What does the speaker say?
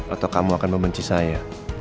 atau kamu akan membenci saya